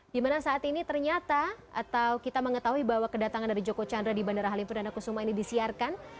dimana saat ini ternyata atau kita mengetahui bahwa kedatangan dari joko chandra di bandara halim perdana kusuma ini disiarkan